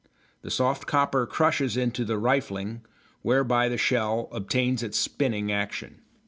The soft copper crushes into the "rifling," whereby the shell obtains its spinning action.